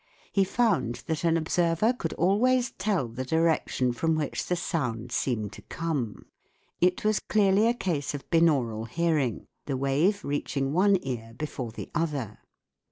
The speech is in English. He found that an observer could always tell the direction from which the sound seemed to come : it was clearly a case of binaural hearing, the wave reaching one ear before the other.